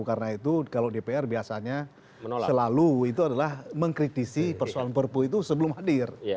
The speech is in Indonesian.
karena itu kalau dpr biasanya selalu itu adalah mengkritisi persoalan perpu itu sebelum hadir